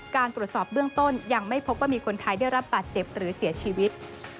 การตรวจสอบเบื้องต้นยังไม่พบว่ามีคนไทยได้รับบาดเจ็บหรือเสียชีวิต